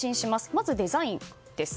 まずデザインです。